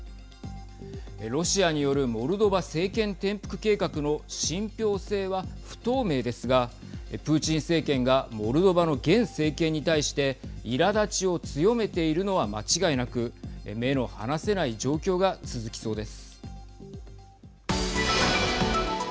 ロシアによるモルドバ政権転覆計画の信ぴょう性は不透明ですがプーチン政権がモルドバの現政権に対していらだちを強めているのは間違いなく目の離せない状況が続きそうです。